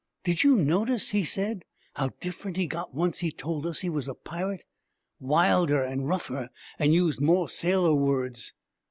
'Did you notice,' he said, 'how different he got once he had told us he was a pirate wilder and rougher, and used more sailor words?'